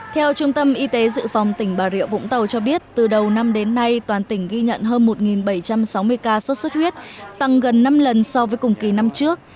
theo trung tâm y tế dự phòng tỉnh bà rịa vũng tàu cho biết từ đầu năm đến nay toàn tỉnh ghi nhận hơn một bảy trăm sáu mươi ca sốt xuất huyết tăng gần năm lần so với cùng kỳ năm trước